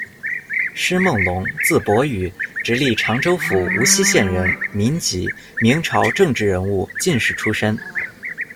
施梦龙，字伯雨，直隶常州府无锡县人，民籍，明朝政治人物、进士出身。